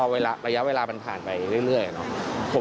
เพราะระยะเวลามันผ่านไปเรื่อยนะครับ